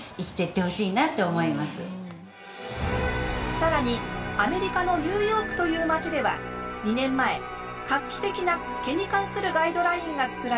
更にアメリカのニューヨークという街では２年前画期的な毛に関するガイドラインが作られた。